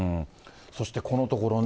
そしてこのところね、